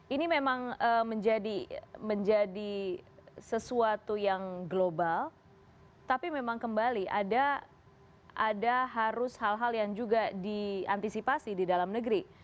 ini memang menjadi sesuatu yang global tapi memang kembali ada harus hal hal yang juga diantisipasi di dalam negeri